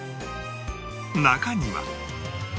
中には